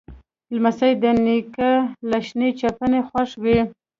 لمسی د نیکه له شین چپنه خوښ وي.